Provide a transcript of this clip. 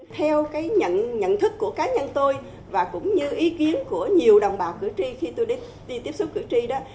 theo cái nhận thức của cá nhân tôi và cũng như ý kiến của nhiều đồng bào cử tri khi tôi đi tiếp xúc cử tri đó